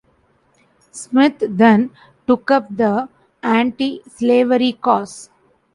Smith then took up the anti-slavery cause.